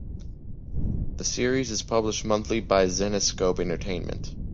The series is published monthly by Zenescope Entertainment.